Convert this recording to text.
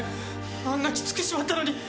あんなきつく縛ったのに。